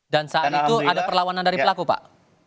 dan saat itu ada perlawanan dari pelaku pak